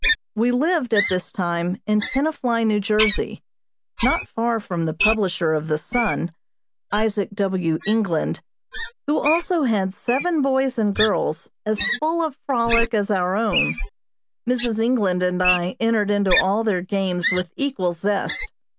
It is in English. We lived, at this time, at Tenafly, New Jersey, not far from the publisher of the Sun, Isaac W. England, who also had seven boys and girls as full of frolic as our own. Mrs. England and I entered into all their games with equal zest.